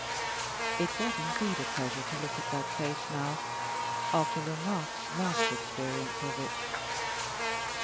It was indeed a pleasure to look at that face now, after Lomaque's last experience of it.